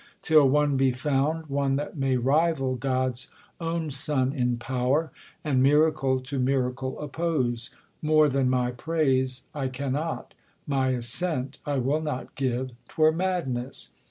till one be found, One that may rival God's own Son in power, And miracle to miracle oppose, More than my praise I cannot ; my assent I will not give ; 'twere madness.